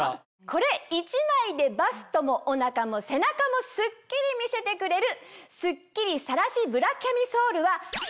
これ１枚でバストもお腹も背中もスッキリ見せてくれる。